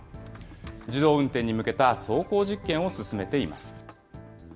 自動運転に向けた走行実験を進めています。